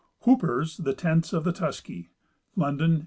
Hooper's The Tents of the Tuski, London, 1852.